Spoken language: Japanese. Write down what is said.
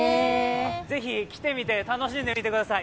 ぜひ来てみて楽しんでみてください。